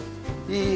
いい？